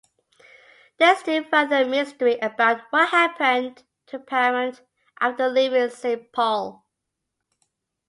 There is still further mystery about what happened to Parrant after leaving Saint Paul.